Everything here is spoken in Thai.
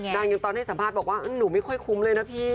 อย่างตอนให้สัมภาษณ์บอกว่าหนูไม่ค่อยคุ้มเลยนะพี่